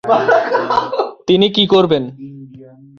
তিনি কী করবেন?